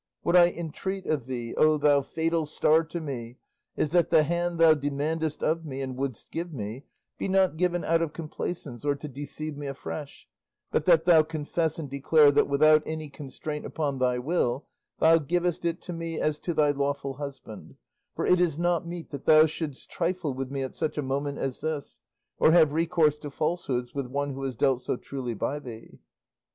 What I entreat of thee, O thou fatal star to me, is that the hand thou demandest of me and wouldst give me, be not given out of complaisance or to deceive me afresh, but that thou confess and declare that without any constraint upon thy will thou givest it to me as to thy lawful husband; for it is not meet that thou shouldst trifle with me at such a moment as this, or have recourse to falsehoods with one who has dealt so truly by thee."